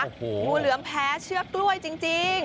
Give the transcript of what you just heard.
งูเหลือมแพ้เชือกกล้วยจริง